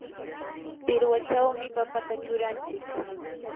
pirwachawmi papata churanchik.